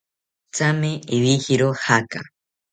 Thame iwijiro jaaka